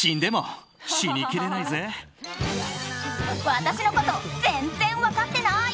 私のこと全然分かってない！